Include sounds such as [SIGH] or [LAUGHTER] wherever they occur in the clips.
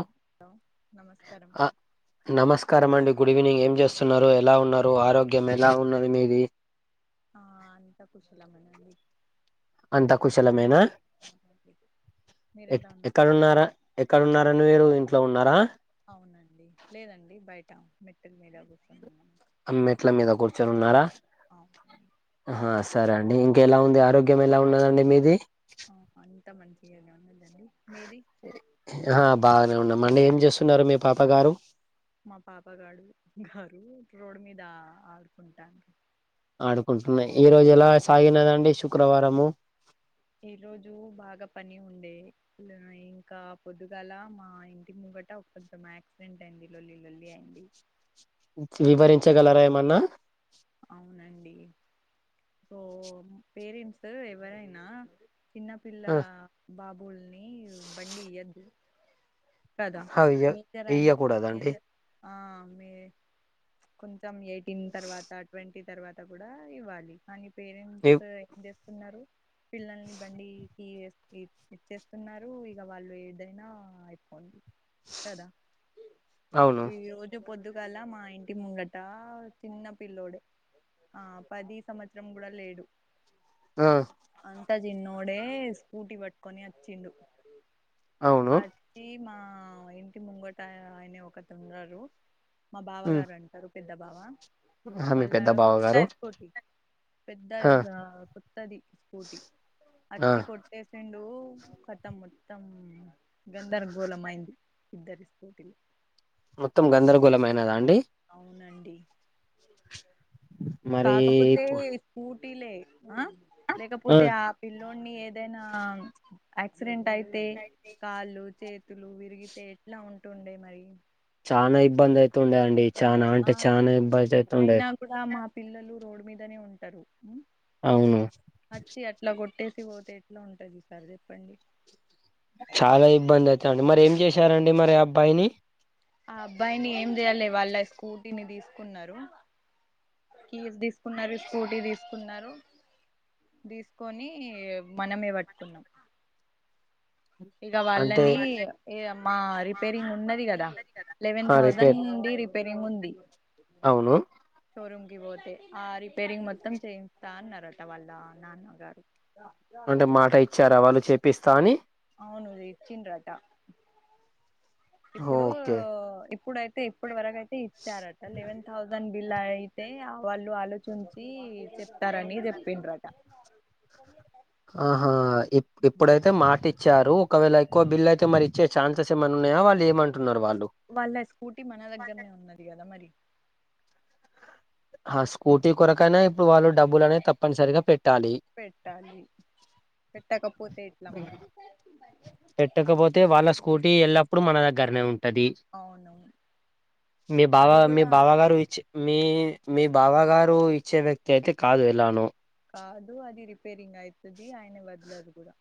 ఓ hello నమస్కారం అ నమస్కారం అండి గుడ్ ఈవినింగ్ ఏం చేస్త స్తున్నారు ఎలా ఉన్నారు ఆరోగ్యం ఎలా ఉన్నది మీది ఆ అంతా కుశలమెనండి అంతా కుశాలమేనా ఎ మీరెలా ఉన్నారు ఎక్కడున్నారా ఎక్కడున్నారండి మీరు ఇంట్లో ఉన్నారా అవునండి లేదండి బయట మెటిల్ మీద కూర్చ మెట్ల మీద కూర్చొని ఉన్నారా అవును ఆహా సర్ సరే అండి ఇంకెలా ఉంది ఆరోగ్యం ఎలా ఉన్నదండి మీది ఆ ఎంత మంచిగానే ఉంది ఆహ్ బాగానే ఉన్నాం అండి ఏం చేస్తున్నారు మీ పాప గారు మా పాప గడు గారు రోడ్ మీద ఆడుకుంటాండ్రు ఆడుకుంటున్నాయి ఈ రోజు ఎలా సాగినదండి శుక్రవారము ఈ రోజు బాగా పని ఉండే ఇంకా పొద్దుగాల మా ఇంటి ము గట కొంచం యాక్సిడెంట్ అయింది లల్లి లల్లి అయింది వివరించగలరా ఏమన్నా అవునండి ఎప్పుడో పేరెంట్స్ ఎవరైనా చిన్నపిల్ల ఆ, బాబ్ బండి ఈయద్దు కదా ఆ, ఇయ్య మీద్దరైనా మీద ఇయ్యకూడదండి ఆ మ్ కొంచెం ఎయిటీన్ తర్వాత ట్వంటీ తర్వాత కూడా ఇవ్వాలి కాని పేరెంట్స్ ఇవ్- ఏం చేస్తున్నారు పిల్లల్ని బండికి ఇ ఇచ్చేస్తున్నారు ఇగ వాళ్ళు ఏదైనా అయిపోండి కద అవును ఈ రోజు పొద్దుగాల మా ఇంటి ముంగట చిన్న పిల్లోడే ఆ పది సంవత్సరం కూడా లేడు ఆ అట్ట చిన్నోడే స్కూటీ పట్టుకొని వచ్చిండు అవును అచ్చి మా ఆ ఇంటి ముంగట అయనే ఒకతున్నారు మా ఉమ్, బావగారు అంటరు పెద్ద బావా ఆ మీ వాళ్ళ పెద్ద బావ గారు కొత్తయి స్కూటీ పెద్ద ఆ కొత్తది స్కూటీ ఆ అచ్చి కొట్టేసిండు ఖతం మొత్తం గంధరగోళం అయింది ఇద్దరి స్కూటి మొత్తం గందరగోళం ఐనదా అండి అవునండి మరి కాకపోతే స్కూ టిలే లేకపోతే ఆ పిల్లోడిని ఏదైనా యాక్సిడెంట్ అయ్ తే కాళ్ళు చేతులు విరిగితే ఎట్లా ఉంటుండే మరి చానా ఇబ్బంది అయితుండే అండి ఇబ్బంది చానా ఆ అంటే చానా ఇబ్బంది అయితుండే అయినా కూడా మా పిల్లలు రోడ్ మీదనే ఉంటారు అవును వచ్చి అట్లా కొట్టే తిపోతే ఎట్లా ఉంటది ఈ సారి చెప్పండి చాలా ఇబ్బంది అయితదండి మరి ఏం చేసారండి మరి అబ్బాయిని ఆ అబ్బాయిని ఏం చేయాలె వాళ్ళ స్కూటీని తీసుకున్నారు కీస్ తీసుకున్నారు స్కూటీ తీసుకున్నారు తీసుకొని మనమే పట్టుకున్నాం ఇగ అంటే వాళ్ళని ఎ మా రిపేరింగ్ ఉన్నది గదా లెవెన్ ఆ థౌజండ్ రిపేర్ ది ఉంది రిపేరింగ్ ఉంది అవును షోరూమ్ కి పోతే ఆ రిపేరింగ్ మొత్తం చేయిస్తా అన్నారట వాళ్ళ నాన్నగారు అంటే మాట ఇచ్చారా వాళ్ళు చెపిస్తా అని అవును ఇచ్చిండ్రట ఇప్పుడు ఓకే ఇప్పుడైతే ఇప్పటి వరకయితే ఇచ్చారట లెవెన్ థౌసండ్ ఇలా అయితే వాళ్ళు ఆలోచించి చెప్తారని చెప్పిండ్రట సర్లే ఆహా ఇప్ ఇప్పుడైతే మాటి ఇచ్చారు ఒకవేళ ఎక్కువ బిల్ అయితే మరి ఇచ్చే ఛాన్సెస్ ఏమన్నాయా వాళ్ళు ఏమం వాళ్ళ స్కూటీ మన దగ్గరనే ఉన్నది కదా మరి ఆ స్కూటీ కొరకైనా ఇప్పుడు వాలు డబ్బులు అనేది తప్పనిసరిగా పెట్టాలి పెట్టాలి పెట్టకపోతే ఎట్ల మరి ఇప్పుడు మన దగ్గరనే ఉంటది అవును మీ బావ అది మీ కూడా బావ గారు ఇచే మీ మీ బావ గారు ఇచ్చే వ్యక్తి అయితే కాదు ఎలానో కాదు అది రిపేరింగ్ అయితది ఆయన వదలడు కూడా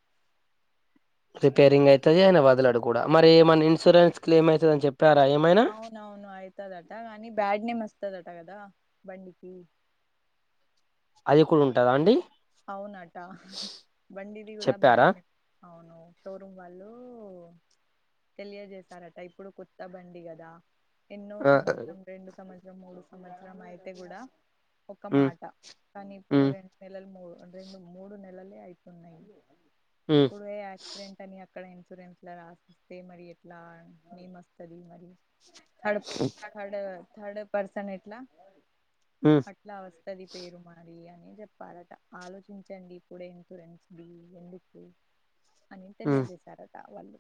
రిపేరింగ్ అయితది ఆయన వదలడు కూడా మరి ఎమన ఇన్సూరెన్స్ క్లెయిమ్ అయితదని చెప్ అవునవును అవుతదట కానీ బ్యాడ్ నేమ్ వస్తదట కదా బండికి అది కూడా ఉంటదా అండి అవునట బండిది కూడా చెప్పారా బ్యాడ్ నేమ్ అవునవును షోరూమ్ వాళ్ళు తెలియజేశారట ఇప్పుడు కొత్త బండి కదా ఎన్నో ఆ సంవత్సరం రెండు సంవత్సరం మూడు సంవత్సరం అయితే కూడా ఒక ఉమ్ మాట కానీ ఇప్పుడు ఉమ్ రెండు నెలలు మూడు రెండు మూడు నెలలే అవుతున్నాయి ఉమ్ ఇప్పుడు యాక్సిడెంట్ అని అక్కడ ఇన్సూరెన్స్లా రాసిస్తే మరి ఎట్లా ఏమ్ వస్తది మరి థర్డ్ థర్డ్ డ్ థర్డ్ పర్సన్ ఎట్లా ఉమ్ అట్లా వస్తది పేరు మనది అని చెప్పారట ఆలోచించండి ఇప్పుడు ఇన్సూరెన్స్ ది ఎందుకు అని ఉమ్ తెలియజేశారట వాళ్ళు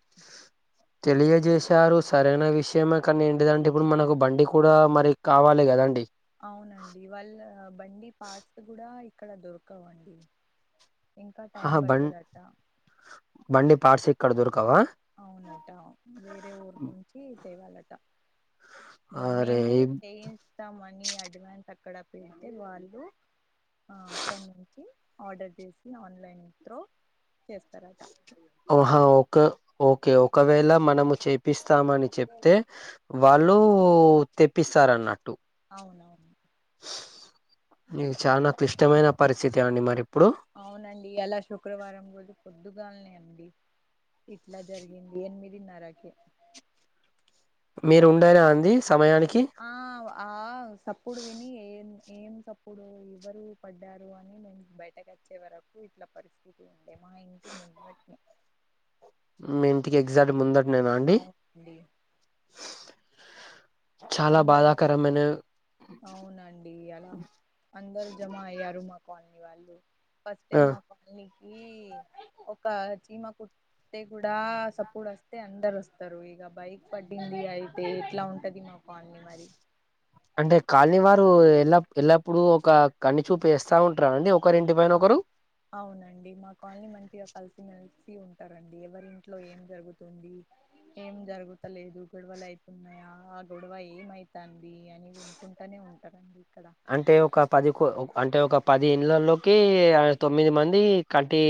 రు సరే విషయమే కానీ ఏంటిదంటే ఇప్పుడు మనకు బండి కూడా మరి కావాలి కదండి అవునండి వాళ్ళ బండి పార్ట్స్ కూడా ఇక్కడ దొరకవండి ఇంకా టైం ఆహా బం పడుతదట బండి పార్ట్స్ ఇక్కడ దొరకవా అవునట వేరే ఊరు నుంచి తేవాలట అరే మేము ఈ చేయిస్తామని అడ్వాన్స్ అక్కడ పెడితే వాళ్ళు ఆ అక్కడ నుంచి ఆర్డర్ చేసి ఆన్లైన్ త్రో చేస్తారట ఓహా ఒక ఓకే ఒకవేళ మనము చె తెప్పిస్తామని చెప్తే వాళ్ళు అవును తెప్పిస్తారన్నట్టు అవునవును మీ చాలా క్లిష్టమైన పరిస్థితే అండి మరి ఇప్పుడు అవునండి ఇయాలా శుక్రవారం కదా కొద్దు గాలే అండి ఇట్లా జరిగింది ఎనిమిదిన్నరకే మీరు ఉండారా అండీ సమయాని ఆ ఆ సప్పుడు విని ఏం ఏం సప్పుడు ఎవ్వరు పడ్డారు అని నేను బయటకు వచ్చే వరకు ఇట్లా పరిస్థితి ఉంది ఏమ మా ఇంటి ముంగట్నే మీ ఇంటికి ఎగ్జాక్ట్ ముందటినేనా అండి అవునండి చాలా అందరం బాధాకరమైన అవునండి అలా అందరు జమ అయ్యారు మా కాలనీ వాళ్ళు ఫస్ట్ టై ఆ మా కాలనీకి ఒక చీమా కు అతే కూడా సప్పుడు వస్తే అందరు వస్తారు ఇక బైక్ పడింది అయితే ఎట్లా ఉంటది మాకు కాలనీ మరి అంటే కాలనీ వారు ఎల్ల ఎల్లప్పుడూ ఒక కన్నుచూపు వేస్తా ఉంటారండి ఆ అవునండి మా కాలనీ మంచిగా కలిసి మెలిసి ఉంటారండి ఎవరింట్లో ఏం జరుగుతుంది ఏం జరుగుతలేదు గొడవలు అయితున్నాయా ఆ గొడవ ఏమవుతుంది అని వినుకుంటానే ఉంటదండి అంటే ఒక పది కో అంటే ఒక పది ఇళ్ళలోకి ఆ తొమ్మిది మంది కంటి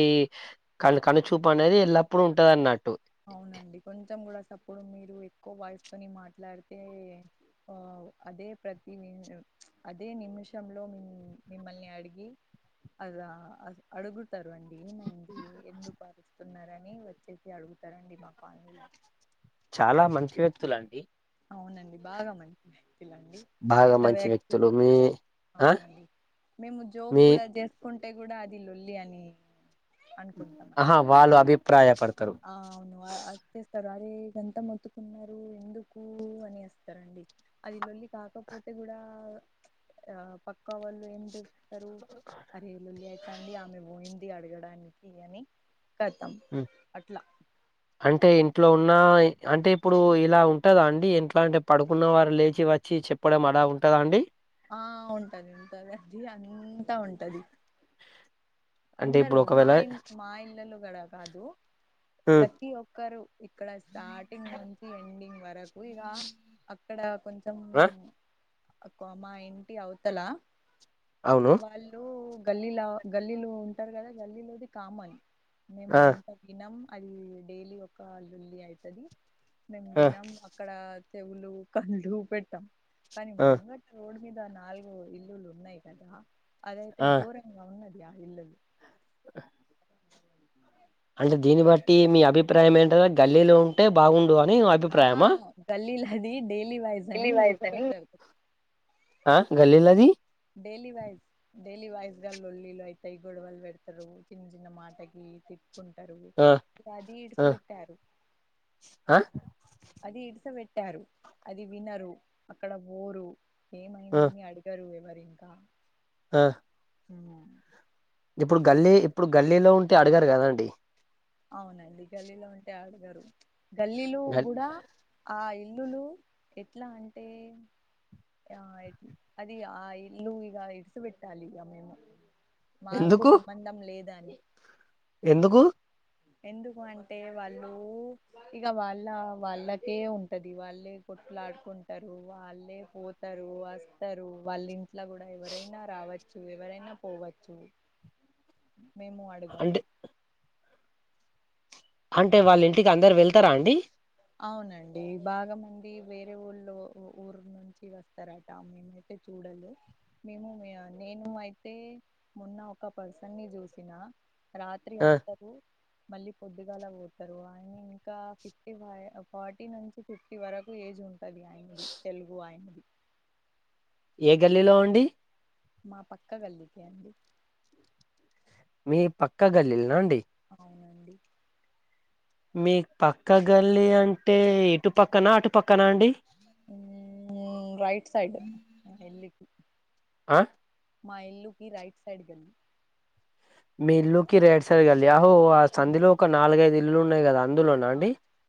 క కనుచూపనే అది ఎల్లప్పుడు ఉంటది అన్నట్టు అవునండి కొంచెం కూడా సప్పుడు మీరు ఎక్కువ వాయిస్తోని మాట్లాడితే ఆ అదే ప్రతి నీన్ అదే నిమిషంలో మ మిమ్మల్ని అడిగి అదా అడుగుతారు అండి ఏమైంది ఎందుకు ఆవిస్తున్నారని వచ్చేసి అడుగుత తింటారండి మా ఫాదర్ ఇన్ లో చాలా మంచి వ్యక్తుల అండి అవునండి బాగ మంచి వ్యక్తులండి బాగా మంచి వ్యక్తులు మీ ఆ అవునండి మేము జోకు మీ కూడా చేసుకుంటే కూడా అది లొల్లి అని అనుకుంటామండి ఆహా వాళ్ళు అభిప్రాయ పడతారు ఆరే వేళ్లు ఎంత మొత్తుకున్నారు ఎందుకు అనిస్తారు అడి అది లొల్లి కాకపోతే కూడా ఆ పక్కా వాళ్ళు ఏంటి ఆరే లొల్లి అయ్యింది ఆమె పోయింది అడగడానికి అని కతం అట్లా ఇట్లో ఉన్న అంటే ఇప్పుడు ఇలా ఉంటద అండి ఇంట్లా అంటే పడుకున్న వారు లేచి వచ్చి చెప్పడ అ ఆలా ఉంటుద అండి ఆ ఉంటది ఉంటది అండి అంతా ఉంటది అంటే అందరు ఇప్పుడు మా ఒకవేళ ఇ మా ఏళ్లలో గాడ కాదు హ్మ్. ప్రతి ఒక్కరు ఇక్కడ స్టార్టింగ్ నుంచి ఎండింగ్ వరకు ఇలా అక్కడ కొంచెం ఆ! మా ఇంటి అవతలా అవును వాళ్ళు గల్లీల గల్లీలు ఉంటారు కదా గల్లీలోది కామన్ మేము ఆ అంత విినం అది డైలీ ఒక లొల్లి అవుతుది మేము ఆ విన్నాం అక్కడ చెవులు కళ్ళు పెట్టాం కానీ ఆ ముగ్గత రోడ్ అయితే మీద నాలుగు ఇల్లులు ఉన్నాయి కదా అదయితే ఆ ఘోరంగా ఉన్నది ఆ ఇల్లులు అంటే దీన్ని బట్టి మీ అభిప్రాయం ఏంటా గల్లీలో ఉంటే బాగుంట ఆహా గల్లీలది డైలీ వైస్ అని ఇది పెట్టారు ఆహ్ గల్లీలాది డైలీ వైజ్ డైలీ వైజ్ గా లొల్లిలు అయితాయి గొడవలు పెడతారు చిన్న చిన్న మాటకి తి కుంటారు ఆ ఇ అది ఇడిసి ఆ పెట్టారు ఆ అది ఇడిసిబేట్టారు అది వినరు అక్కడ బోరు ఆ ఏమైందని అడిగరు ఎవరు ఇంకా ఆ ఆహ్ ఇప్పుడు గల్లీ ఇప్పుడు గల్లీలో ఉంటే అడిగారు కదా అండి అవునండి గల్లీలో ఉంటే అడగరు గల్లీలో కూడా ఆ ఇల్లులు ఎట్లా అంటే ఆ అది ఆ ఇల్లు ఇగ ఇడిసి వెట్టాలి ఇగ మేము మాకు ఎందుకు సంబంధం లేద అని ఎందుకు ఎందుకు అంటే వాళ్ళు ఇగ వాళ్ళ వాళ్ళకే ఉంటది వాళ్ళే కోట్లాడుకుంటారు వాళ్ళే పోతారు వస్తారు వాళ్ళుం ఇంట్లా గూడా ఎవరైనా రావచ్చు ఎవరైనా పోవచ్చు మేము అడిగాము అంటే అంటే వాళ్ళ ఇంటికి అందరు వెళ్తారా అండి అవునండి బాగా మంది వేరే ఊళ్లో ఊరు నుంచి వస్తారట మేమైతే చూ చూడదు మేము నేను అయితే మొన్న ఒక పర్సన్ ని చూసిన రాత్రి ఆ వస్తారు మళ్ళీ పొద్దుగాలా పోతారు ఆయన ఇంకా ఫిఫటీ ఫార్టీ నుంచి ఫిఫ్టీ వరకు ఏజ్ ఉంటది ఆయనది తెలుగు ఆయనది ఏ గల్లీలో అండి మా పక్క గల్లికె అండి మీ పక్క గల్లీలనా అండి అవునండి మీక్ పక్క గల్లి అంటే ఇటు పక్కన అటు పక్కన అండి ఉ రైట్ సైడ్ ఎలి ఆ మా ఇల్లుకి రైట్ సైడ్ గల్లి మీ ఇల్లుకి రైట్ సైడ్ గల్లి యా ఆహో ఆ సందులో ఒక నాలుగైదు ఇల్లు ఉన్నాయి గదా ఆ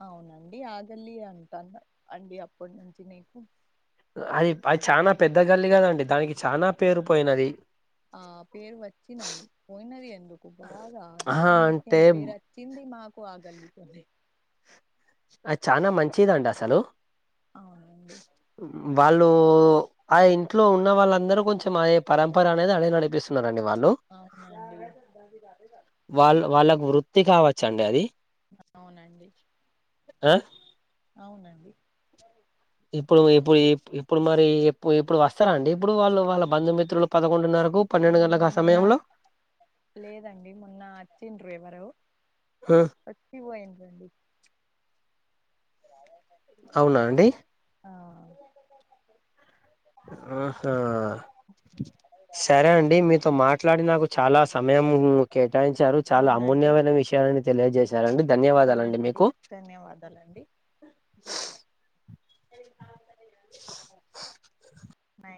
అవునండి ఆ గల్లి యే అంటాన్న అండి అప్పుడు నుంచి నీకు అది అది చానా పెద్ద గల్లి కదండి దానికి చానా పేరు పోయినది ఆ పేరు వచ్చినయి పోయినది ఎందుకు బాగా ఆహా నౌకం బస్తీ అంటే అని పేరు అచ్చింది మా కు ఆగల్లి తోనే అద్ చానా మంచిదండి అసలు అవునండి ఇప్పుడూ ఆ ఇంట్లో ఉన్న వాళ్ళందరూ కొంచెం ఆ పరంపర అనేది అలానే నడిపిస్తున్నారు రండి వాళ్ళు అవునండి వాళ్ళ వాళ్ళకు వృత్తి కావచ్చండి అది అవునండి ఆ అవునండి ఇప్పుడు ఇప్పుడు ఇప్పుడు మరిప్పు ఇప్పుడు వస్తారా అండి ఇప్పుడు వాళ్ళు వాళ్ళ బంధుమిత్రులు పదకొండున్నరకు పన్నెండు గంటలకు మ్మ్, ఆ మొన్న సమయంలో లేదండి మొన్న అచ్చిండ్రు ఎవరో ఆ, వచ్చి పోయిండ్రండి అవునా అండి ఆ ఆహా సరే అండి మీతో మాట్లాడి నాకు చాలా సమయం కేటాయించారు చాలా అవునండి అమూల్యమైన విషయాన్ని సరేనండి ధన్యవాదాలండి [INAUDIBLE] నై